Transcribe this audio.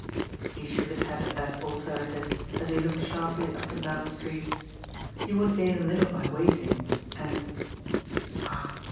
He shook his head at that alternative, as he looked sharply up and down the street. He would gain little by waiting, and ah!